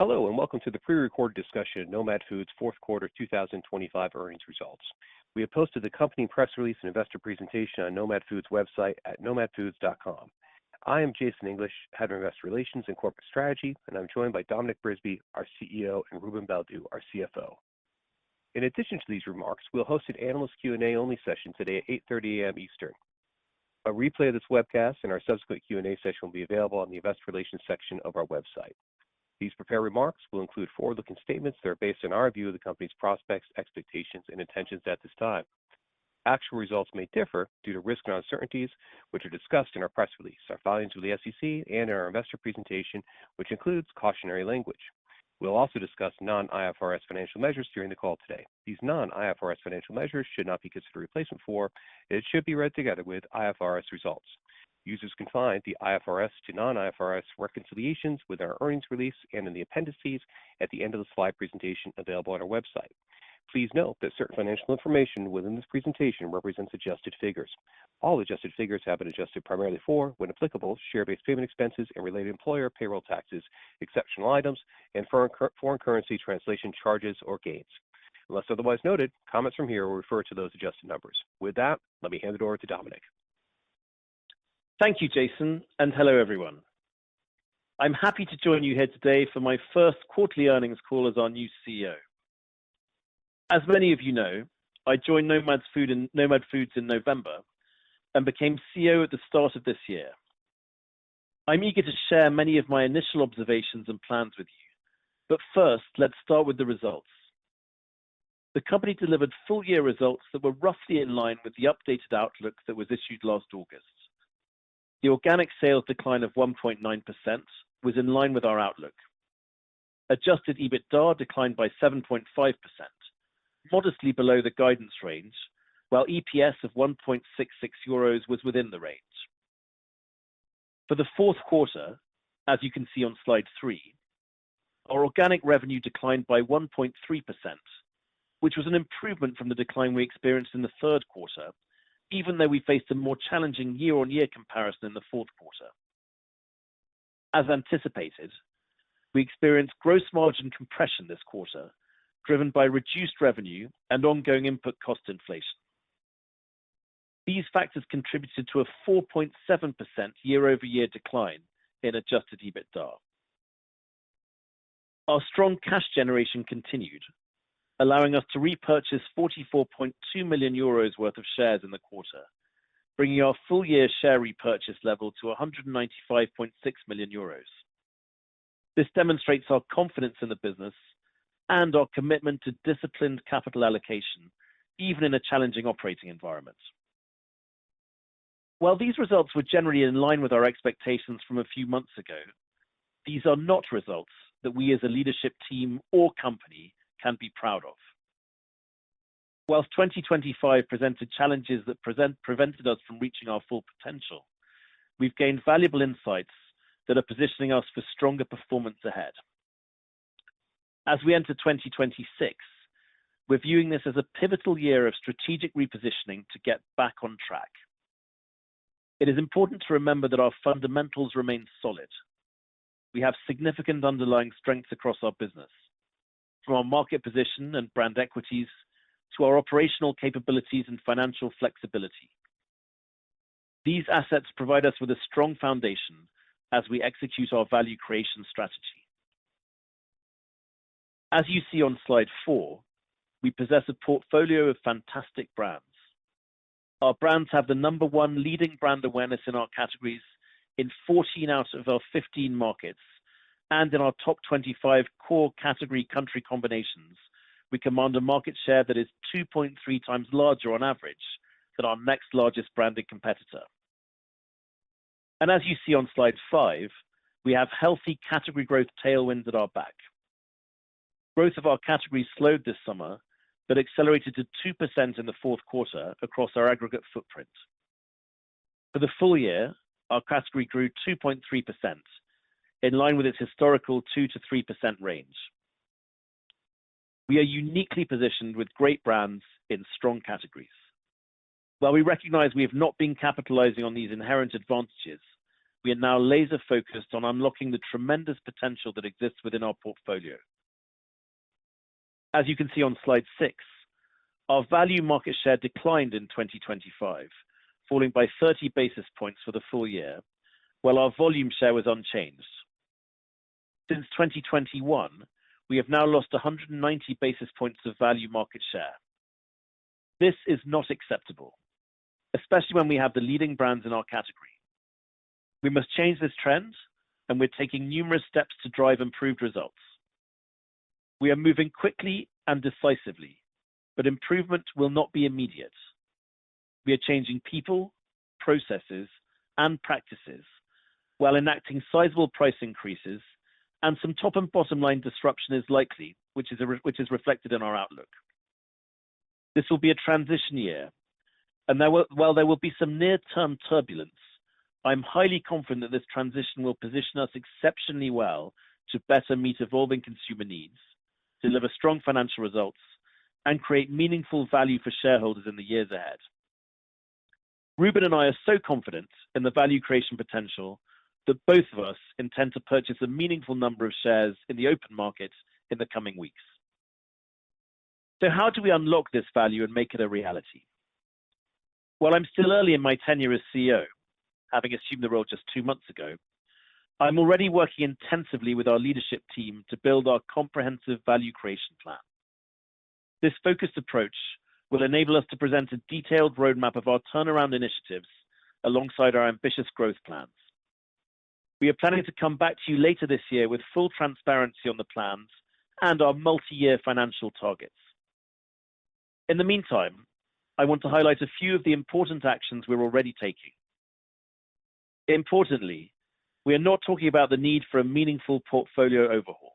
Hello, welcome to the prerecorded discussion of Nomad Foods' fourth quarter 2025 earnings results. We have posted the company press release and investor presentation on Nomad Foods' website at nomadfoods.com. I am Jason English, Head of Investor Relations and Corporate Strategy, and I'm joined by Dominic Brisby, our CEO, and Ruben Baldew, our CFO. In addition to these remarks, we'll host an analyst Q&A only session today at 8:30 A.M. Eastern. A replay of this webcast and our subsequent Q&A session will be available on the investor relations section of our website. These prepared remarks will include forward-looking statements that are based on our view of the company's prospects, expectations, and intentions at this time. Actual results may differ due to risks and uncertainties, which are discussed in our press release, our filings with the SEC and our investor presentation, which includes cautionary language. We'll also discuss non-IFRS financial measures during the call today. These non-IFRS financial measures should not be considered a replacement for, and it should be read together with IFRS results. Users can find the IFRS to non-IFRS reconciliations with our earnings release and in the appendices at the end of the slide presentation available on our website. Please note that certain financial information within this presentation represents adjusted figures. All adjusted figures have been adjusted primarily for, when applicable, share-based payment expenses and related employer payroll taxes, exceptional items, and foreign currency translation charges or gains. Unless otherwise noted, comments from here will refer to those adjusted numbers. With that, let me hand it over to Dominic. Thank you, Jason, and hello, everyone. I'm happy to join you here today for my first quarterly earnings call as our new CEO. As many of you know, I joined Nomad Foods in November and became CEO at the start of this year. I'm eager to share many of my initial observations and plans with you, but first, let's start with the results. The company delivered full year results that were roughly in line with the updated outlook that was issued last August. The organic sales decline of 1.9% was in line with our outlook. Adjusted EBITDA declined by 7.5%, modestly below the guidance range, while EPS of 1.66 euros was within the range. For the fourth quarter, as you can see on slide three, our organic revenue declined by 1.3%, which was an improvement from the decline we experienced in the third quarter, even though we faced a more challenging year-over-year comparison in the fourth quarter. As anticipated, we experienced gross margin compression this quarter, driven by reduced revenue and ongoing input cost inflation. These factors contributed to a 4.7% year-over-year decline in adjusted EBITDA. Our strong cash generation continued, allowing us to repurchase 44.2 million euros worth of shares in the quarter, bringing our full year share repurchase level to 195.6 million euros. This demonstrates our confidence in the business and our commitment to disciplined capital allocation, even in a challenging operating environment. While these results were generally in line with our expectations from a few months ago, these are not results that we, as a leadership team or company, can be proud of. Whilst 2025 presented challenges that prevented us from reaching our full potential, we've gained valuable insights that are positioning us for stronger performance ahead. As we enter 2026, we're viewing this as a pivotal year of strategic repositioning to get back on track. It is important to remember that our fundamentals remain solid. We have significant underlying strengths across our business, from our market position and brand equities to our operational capabilities and financial flexibility. These assets provide us with a strong foundation as we execute our value creation strategy. As you see on slide four, we possess a portfolio of fantastic brands. Our brands have the number one leading brand awareness in our categories in 14 out of our 15 markets, in our top 25 core category country combinations, we command a market share that is 2.3x larger on average than our next largest branded competitor. As you see on slide five, we have healthy category growth tailwinds at our back. Growth of our categories slowed this summer, but accelerated to 2% in the fourth quarter across our aggregate footprint. For the full year, our category grew 2.3%, in line with its historical 2%-3% range. We are uniquely positioned with great brands in strong categories. While we recognize we have not been capitalizing on these inherent advantages, we are now laser focused on unlocking the tremendous potential that exists within our portfolio. As you can see on slide six, our value market share declined in 2025, falling by 30 basis points for the full year, while our volume share was unchanged. Since 2021, we have now lost 190 basis points of value market share. This is not acceptable, especially when we have the leading brands in our category. We must change this trend. We're taking numerous steps to drive improved results. We are moving quickly and decisively. Improvement will not be immediate. We are changing people, processes, and practices while enacting sizable price increases and some top and bottom line disruption is likely, which is reflected in our outlook. This will be a transition year. Well, there will be some near-term turbulence. I'm highly confident that this transition will position us exceptionally well to better meet evolving consumer needs, deliver strong financial results, and create meaningful value for shareholders in the years ahead. Ruben and I are so confident in the value creation potential, that both of us intend to purchase a meaningful number of shares in the open market in the coming weeks. How do we unlock this value and make it a reality? I'm still early in my tenure as CEO, having assumed the role just two months ago. I'm already working intensively with our leadership team to build our comprehensive value creation plan. This focused approach will enable us to present a detailed roadmap of our turnaround initiatives alongside our ambitious growth plans. We are planning to come back to you later this year with full transparency on the plans and our multi-year financial targets. In the meantime, I want to highlight a few of the important actions we're already taking. Importantly, we are not talking about the need for a meaningful portfolio overhaul.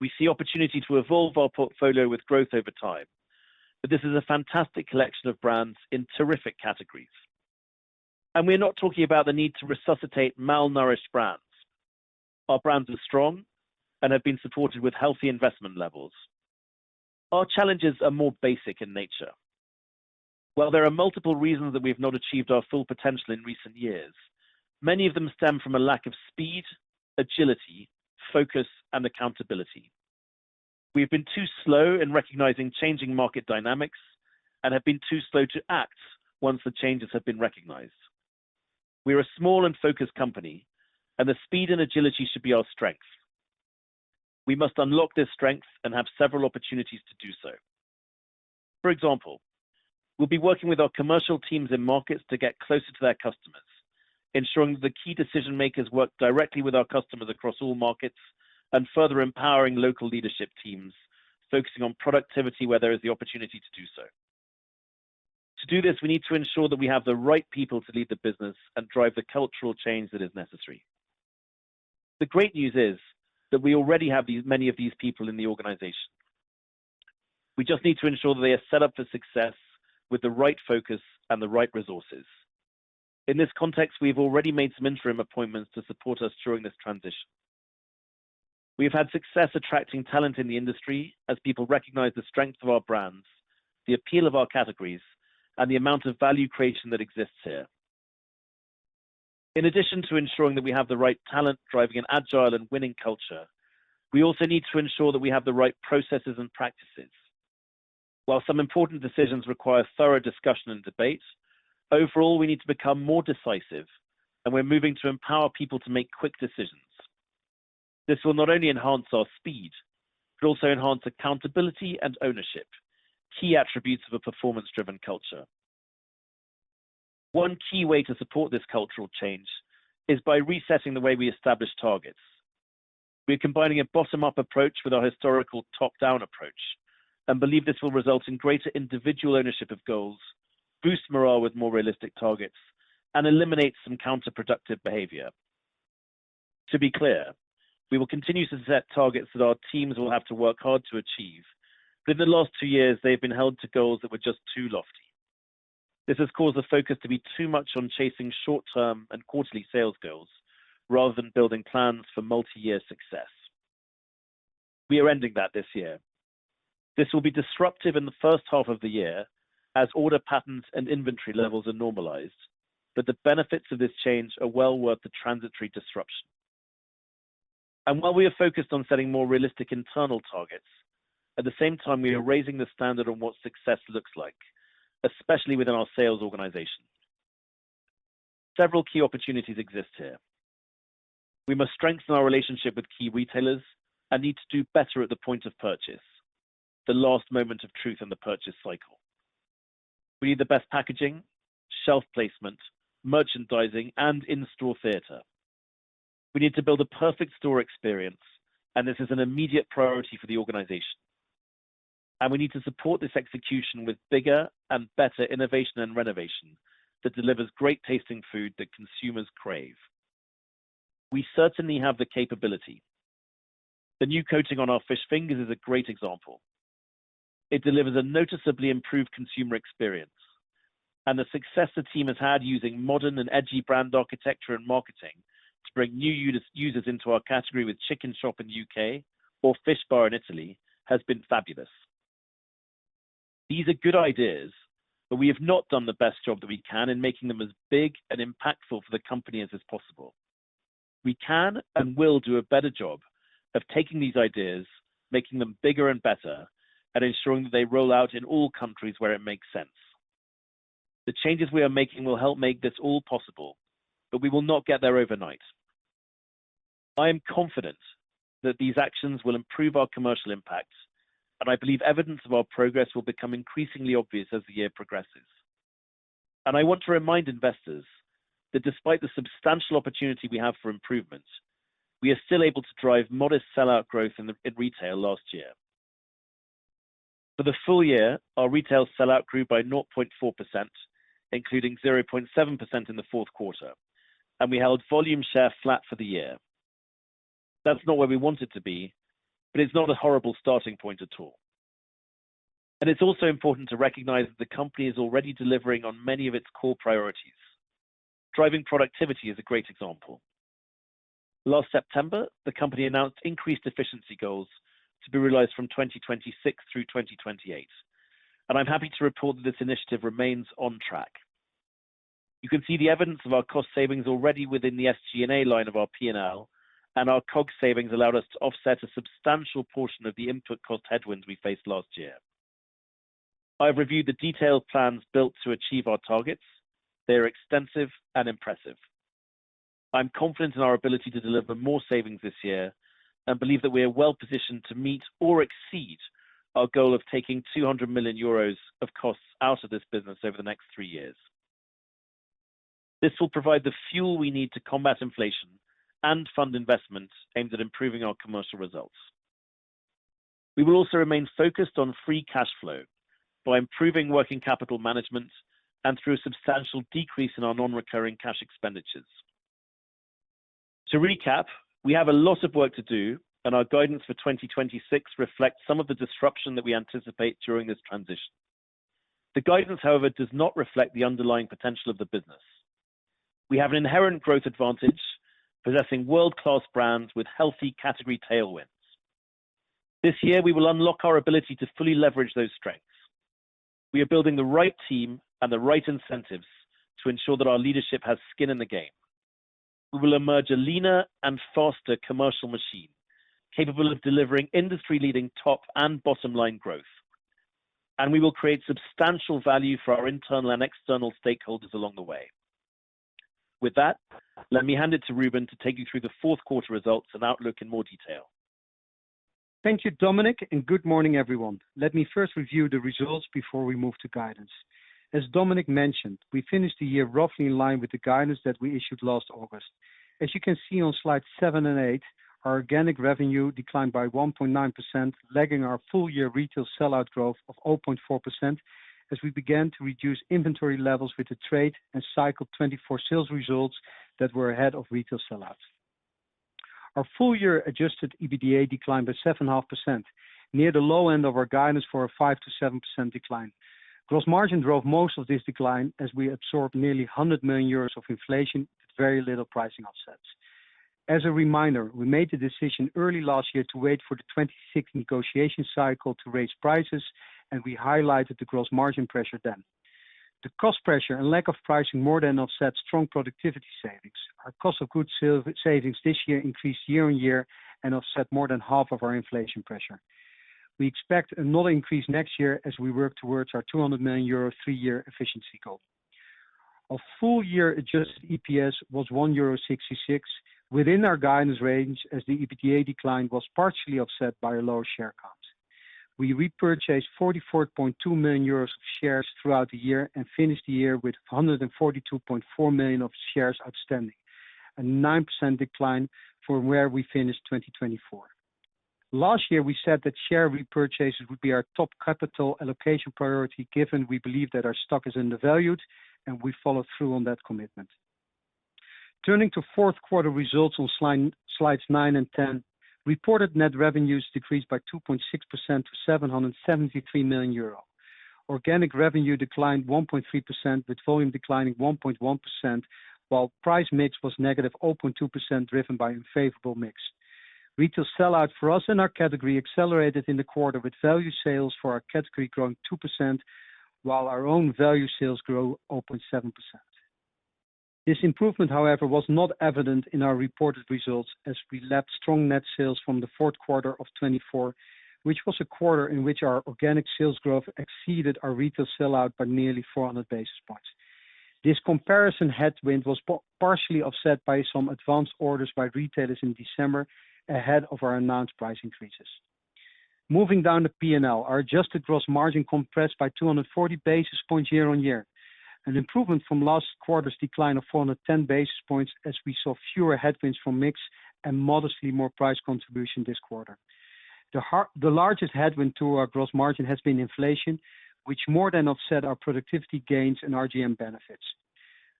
We see opportunity to evolve our portfolio with growth over time. This is a fantastic collection of brands in terrific categories. We are not talking about the need to resuscitate malnourished brands. Our brands are strong and have been supported with healthy investment levels. Our challenges are more basic in nature. While there are multiple reasons that we have not achieved our full potential in recent years, many of them stem from a lack of speed, agility, focus, and accountability. We've been too slow in recognizing changing market dynamics and have been too slow to act once the changes have been recognized. We are a small and focused company. The speed and agility should be our strength. We must unlock this strength and have several opportunities to do so. For example, we'll be working with our commercial teams in markets to get closer to their customers, ensuring the key decision makers work directly with our customers across all markets and further empowering local leadership teams, focusing on productivity where there is the opportunity to do so. To do this, we need to ensure that we have the right people to lead the business and drive the cultural change that is necessary. The great news is that we already have many of these people in the organization. We just need to ensure that they are set up for success with the right focus and the right resources. In this context, we've already made some interim appointments to support us during this transition. We have had success attracting talent in the industry as people recognize the strength of our brands, the appeal of our categories, and the amount of value creation that exists here. In addition to ensuring that we have the right talent driving an agile and winning culture, we also need to ensure that we have the right processes and practices. While some important decisions require thorough discussion and debate, overall, we need to become more decisive, and we're moving to empower people to make quick decisions. This will not only enhance our speed, but also enhance accountability and ownership, key attributes of a performance-driven culture. One key way to support this cultural change is by resetting the way we establish targets. We are combining a bottom-up approach with our historical top-down approach, and believe this will result in greater individual ownership of goals, boost morale with more realistic targets, and eliminate some counterproductive behavior. To be clear, we will continue to set targets that our teams will have to work hard to achieve, but in the last two years, they've been held to goals that were just too lofty. This has caused the focus to be too much on chasing short-term and quarterly sales goals rather than building plans for multi-year success. We are ending that this year. This will be disruptive in the first half of the year as order patterns and inventory levels are normalized, but the benefits of this change are well worth the transitory disruption. While we are focused on setting more realistic internal targets, at the same time, we are raising the standard on what success looks like, especially within our sales organization. Several key opportunities exist here. We must strengthen our relationship with key retailers and need to do better at the point of purchase, the last moment of truth in the purchase cycle. We need the best packaging, shelf placement, merchandising, and in-store theater. We need to build a perfect store experience, and this is an immediate priority for the organization. We need to support this execution with bigger and better innovation and renovation that delivers great tasting food that consumers crave. We certainly have the capability. The new coating on our fish fingers is a great example. It delivers a noticeably improved consumer experience. The success the team has had using modern and edgy brand architecture and marketing to bring new users into our category with Chicken Shop in the U.K. or Fish Bar in Italy, has been fabulous. These are good ideas. We have not done the best job that we can in making them as big and impactful for the company as is possible. We can and will do a better job of taking these ideas, making them bigger and better, and ensuring that they roll out in all countries where it makes sense. The changes we are making will help make this all possible, but we will not get there overnight. I am confident that these actions will improve our commercial impact, and I believe evidence of our progress will become increasingly obvious as the year progresses. I want to remind investors that despite the substantial opportunity we have for improvement, we are still able to drive modest sell-out growth in retail last year. For the full year, our retail sellout grew by 0.4%, including 0.7% in the fourth quarter, and we held volume share flat for the year. That's not where we want it to be, but it's not a horrible starting point at all. It's also important to recognize that the company is already delivering on many of its core priorities. Driving productivity is a great example. Last September, the company announced increased efficiency goals to be realized from 2026 through 2028, and I'm happy to report that this initiative remains on track. You can see the evidence of our cost savings already within the SG&A line of our P&L, and our COGS savings allowed us to offset a substantial portion of the input cost headwinds we faced last year. I've reviewed the detailed plans built to achieve our targets. They are extensive and impressive. I'm confident in our ability to deliver more savings this year and believe that we are well positioned to meet or exceed our goal of taking 200 million euros of costs out of this business over the next three years. This will provide the fuel we need to combat inflation and fund investments aimed at improving our commercial results. We will also remain focused on free cash flow by improving working capital management and through a substantial decrease in our non-recurring cash expenditures. To recap, we have a lot of work to do, and our guidance for 2026 reflects some of the disruption that we anticipate during this transition. The guidance, however, does not reflect the underlying potential of the business. We have an inherent growth advantage, possessing world-class brands with healthy category tailwinds. This year, we will unlock our ability to fully leverage those strengths. We are building the right team and the right incentives to ensure that our leadership has skin in the game. We will emerge a leaner and faster commercial machine, capable of delivering industry-leading top and bottom line growth, and we will create substantial value for our internal and external stakeholders along the way. With that, let me hand it to Ruben to take you through the 4th quarter results and outlook in more detail. Thank you, Dominic, and good morning, everyone. Let me first review the results before we move to guidance. As Dominic mentioned, we finished the year roughly in line with the guidance that we issued last August. As you can see on slides seven and eight, our organic revenue declined by 1.9%, lagging our full-year retail sellout growth of 0.4% as we began to reduce inventory levels with the trade and cycle 2024 sales results that were ahead of retail sellout. Our full-year adjusted EBITDA declined by 7.5%, near the low end of our guidance for a 5%-7% decline. Gross margin drove most of this decline as we absorbed nearly 100 million euros of inflation with very little pricing offsets. As a reminder, we made the decision early last year to wait for the 2026 negotiation cycle to raise prices. We highlighted the gross margin pressure then. The cost pressure and lack of pricing more than offset strong productivity savings. Our cost of goods savings this year increased year-over-year and offset more than half of our inflation pressure. We expect another increase next year as we work towards our 200 million euro three-year efficiency goal. Our full-year adjusted EPS was 1.66 euro, within our guidance range as the EBITDA decline was partially offset by a lower share count. We repurchased 44.2 million euros of shares throughout the year and finished the year with 142.4 million of shares outstanding, a 9% decline from where we finished 2024. Last year, we said that share repurchases would be our top capital allocation priority, given we believe that our stock is undervalued. We followed through on that commitment. Turning to fourth quarter results on slides nine and Slide 10, reported net revenues decreased by 2.6% to 773 million euro. Organic revenue declined 1.3%, with volume declining 1.1%, while price mix was -0.2%, driven by unfavorable mix. Retail sellout for us in our category accelerated in the quarter, with value sales for our category growing 2%, while our own value sales grow 0.7%. This improvement, however, was not evident in our reported results as we lapped strong net sales from the fourth quarter of 2024, which was a quarter in which our organic sales growth exceeded our retail sellout by nearly 400 basis points. This comparison headwind was partially offset by some advanced orders by retailers in December ahead of our announced price increases. Moving down to P&L, our adjusted gross margin compressed by 240 basis points year on year, an improvement from last quarter's decline of 410 basis points, as we saw fewer headwinds from mix and modestly more price contribution this quarter. The largest headwind to our gross margin has been inflation, which more than offset our productivity gains and RGM benefits.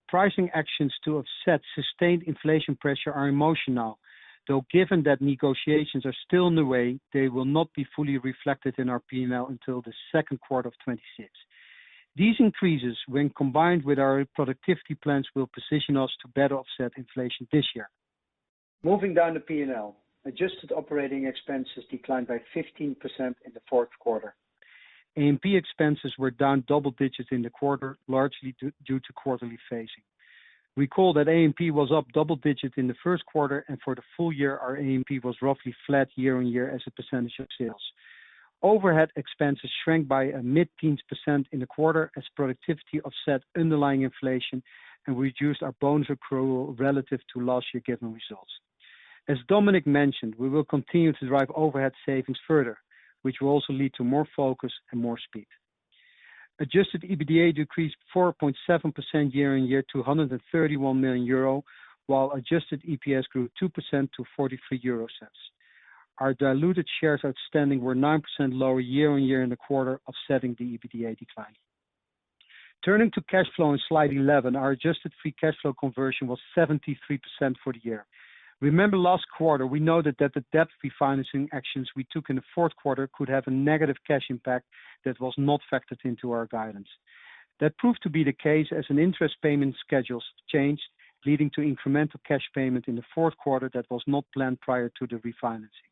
Pricing actions to offset sustained inflation pressure are emotional, though, given that negotiations are still in the way, they will not be fully reflected in our P&L until the second quarter of 2026. These increases, when combined with our productivity plans, will position us to better offset inflation this year. Moving down to P&L. Adjusted operating expenses declined by 15% in the fourth quarter. A&P expenses were down double digits in the quarter, largely due to quarterly phasing. Recall that A&P was up double digits in the first quarter, and for the full year, our A&P was roughly flat year-on-year as a % of sales. Overhead expenses shrank by a mid-teens% in the quarter as productivity offset underlying inflation and reduced our bonus accrual relative to last year's given results. As Dominic mentioned, we will continue to drive overhead savings further, which will also lead to more focus and more speed. Adjusted EBITDA decreased 4.7% year-on-year to 131 million euro, while adjusted EPS grew 2% to 0.43. Our diluted shares outstanding were 9% lower year-on-year in the quarter, offsetting the EBITDA decline. Turning to cash flow on Slide 11, our adjusted free cash flow conversion was 73% for the year. Remember last quarter, we noted that the debt refinancing actions we took in the fourth quarter could have a negative cash impact that was not factored into our guidance. That proved to be the case as an interest payment schedules changed, leading to incremental cash payment in the fourth quarter that was not planned prior to the refinancing.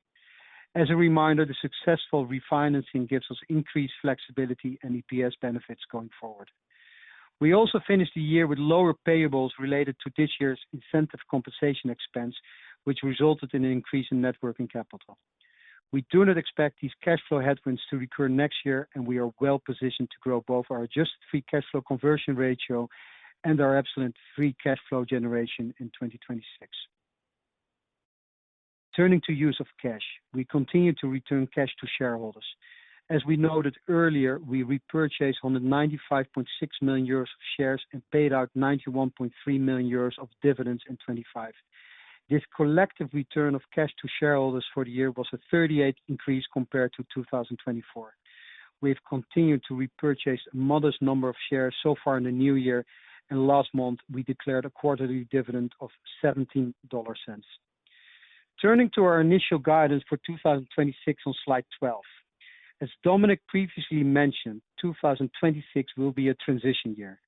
As a reminder, the successful refinancing gives us increased flexibility and EPS benefits going forward. We also finished the year with lower payables related to this year's incentive compensation expense, which resulted in an increase in net working capital. We do not expect these cash flow headwinds to recur next year, and we are well positioned to grow both our adjusted free cash flow conversion ratio and our absolute free cash flow generation in 2026. Turning to use of cash, we continue to return cash to shareholders. As we noted earlier, we repurchased 95.6 million euros of shares and paid out 91.3 million euros of dividends in 2025. This collective return of cash to shareholders for the year was a 38% increase compared to 2024. We've continued to repurchase a modest number of shares so far in the new year. Last month, we declared a quarterly dividend of $0.17. Turning to our initial guidance for 2026 on Slide 12. As Dominic previously mentioned, 2026 will be a transition year.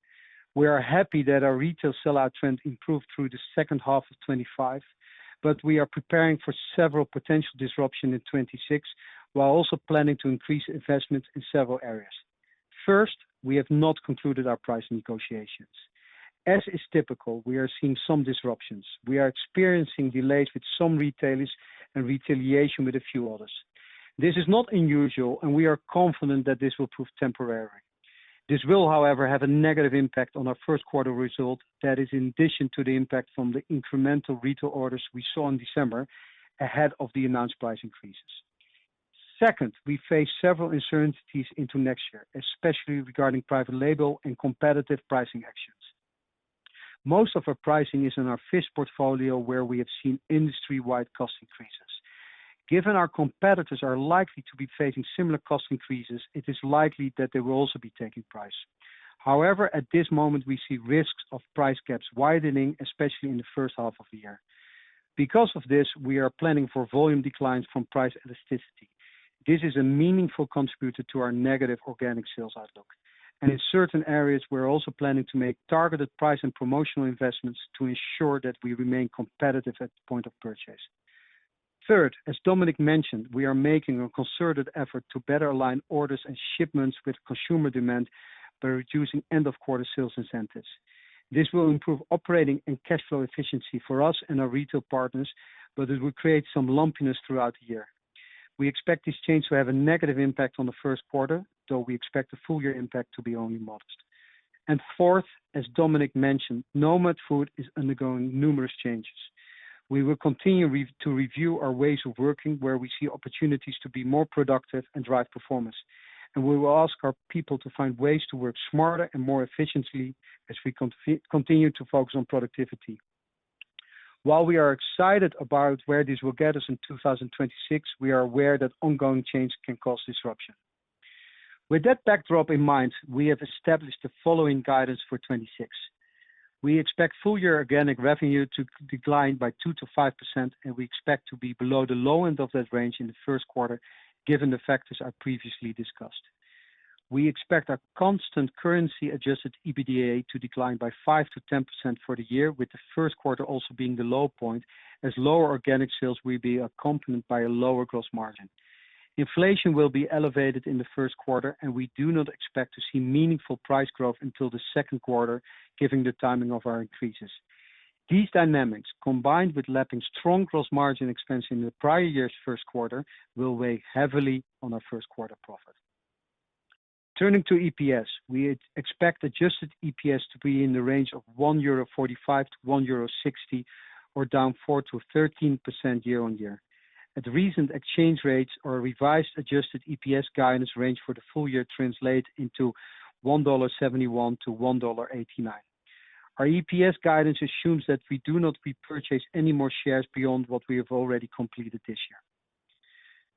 We are happy that our retail sellout trend improved through the H2 of 25. We are preparing for several potential disruption in 26, while also planning to increase investments in several areas. First, we have not concluded our price negotiations. As is typical, we are seeing some disruptions. We are experiencing delays with some retailers and retaliation with a few others. This is not unusual. We are confident that this will prove temporary. This will, however, have a negative impact on our first quarter result. That is in addition to the impact from the incremental retail orders we saw in December ahead of the announced price increases. Second, we face several uncertainties into next year, especially regarding private label and competitive pricing actions. Most of our pricing is in our fish portfolio, where we have seen industry-wide cost increases. Given our competitors are likely to be facing similar cost increases, it is likely that they will also be taking price. However, at this moment, we see risks of price gaps widening, especially in the first half of the year. Because of this, we are planning for volume declines from price elasticity. This is a meaningful contributor to our negative organic sales outlook, and in certain areas, we're also planning to make targeted price and promotional investments to ensure that we remain competitive at the point of purchase. Third, as Dominic mentioned, we are making a concerted effort to better align orders and shipments with consumer demand by reducing end-of-quarter sales incentives. This will improve operating and cash flow efficiency for us and our retail partners, but it will create some lumpiness throughout the year. We expect this change to have a negative impact on the first quarter, though we expect the full year impact to be only modest. Fourth, as Dominic mentioned, Nomad Foods is undergoing numerous changes. We will continue to review our ways of working, where we see opportunities to be more productive and drive performance. We will ask our people to find ways to work smarter and more efficiently as we continue to focus on productivity. While we are excited about where this will get us in 2026, we are aware that ongoing change can cause disruption. With that backdrop in mind, we have established the following guidance for 2026. We expect full year organic revenue to decline by 2%-5%, and we expect to be below the low end of that range in the first quarter, given the factors I previously discussed. We expect our constant currency-adjusted EBITDA to decline by 5%-10% for the year, with the first quarter also being the low point, as lower organic sales will be accompanied by a lower gross margin. Inflation will be elevated in the first quarter, and we do not expect to see meaningful price growth until the second quarter, given the timing of our increases. These dynamics, combined with lapping strong gross margin expense in the prior year's first quarter, will weigh heavily on our first quarter profit. Turning to EPS, we expect adjusted EPS to be in the range of 1.45-1.60 euro, or down 4%-13% year-on-year. At the recent exchange rates, our revised adjusted EPS guidance range for the full year translate into $1.71-$1.89. Our EPS guidance assumes that we do not repurchase any more shares beyond what we have already completed this year.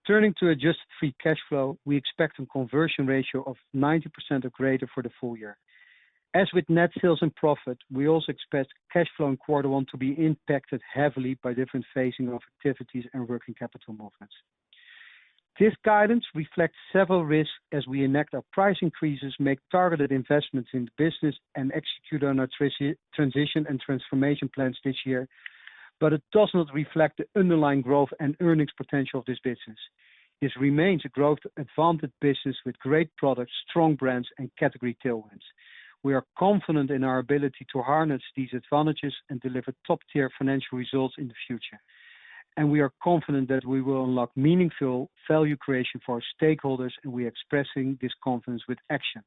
Turning to adjusted free cash flow, we expect a conversion ratio of 90% or greater for the full year. As with net sales and profit, we also expect cash flow in quarter one to be impacted heavily by different phasing of activities and working capital movements. This guidance reflects several risks as we enact our price increases, make targeted investments in the business, and execute on our transition and transformation plans this year. It does not reflect the underlying growth and earnings potential of this business. This remains a growth advantage business with great products, strong brands, and category tailwinds. We are confident in our ability to harness these advantages and deliver top-tier financial results in the future. We are confident that we will unlock meaningful value creation for our stakeholders, and we are expressing this confidence with action.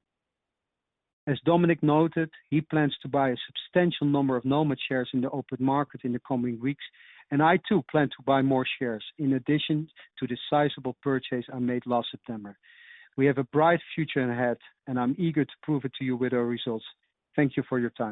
As Dominic noted, he plans to buy a substantial number of Nomad shares in the open market in the coming weeks, and I too plan to buy more shares in addition to the sizable purchase I made last September. We have a bright future ahead, and I'm eager to prove it to you with our results. Thank you for your time.